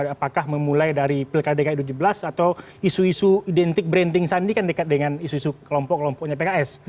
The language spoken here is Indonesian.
apakah memulai dari pilkada dki tujuh belas atau isu isu identik branding sandi kan dekat dengan isu isu kelompok kelompoknya pks